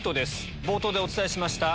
冒頭でお伝えしました。